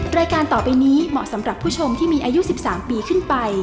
รายการต่อไปนี้เหมาะสำหรับผู้ชมที่มีอายุ๑๓ปีขึ้นไป